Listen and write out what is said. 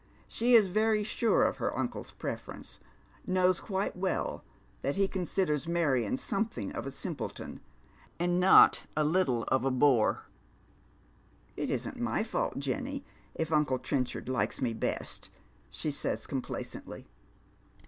She is very sure of her uncle's preference — knows quite well that he considers Marion Bomething of a simpleton, and not a little of a bore. " It isn't my fault, Jenny, if uncle Trenchard likes me best," che says, complacently.